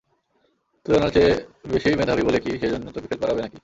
তুই উনার চেয়ে বেশি মেধাবী বলে কি সেজন্য তোকে ফেল করাবে নাকি?